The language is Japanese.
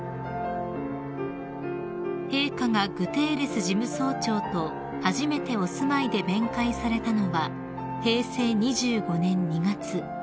［陛下がグテーレス事務総長と初めてお住まいで面会されたのは平成２５年２月］